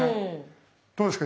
どうですか？